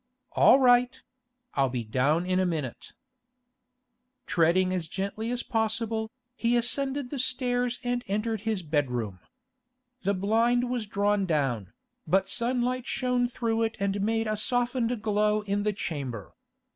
'All right; I'll be down in a minute.' Treading as gently as possible, he ascended the stairs and entered his bedroom. The blind was drawn down, but sunlight shone through it and made a softened glow in the chamber.